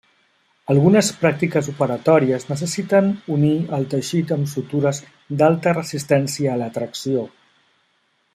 Algunes pràctiques operatòries necessiten unir el teixit amb sutures d'alta resistència a la tracció.